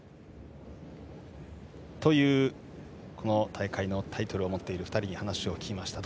大会のタイトルを持っている２人に話を聞きました。